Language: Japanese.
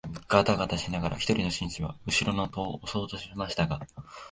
がたがたしながら一人の紳士は後ろの戸を押そうとしましたが、